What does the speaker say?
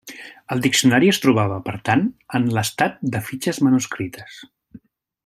El diccionari es trobava, per tant, en l'estat de fitxes manuscrites.